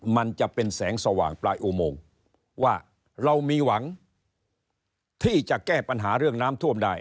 มันจะเป็นแสงสว่างปลายอุโมงว่าเรามีหวังที่จะแก้ปัญหาเรื่องน้ำท่วมได้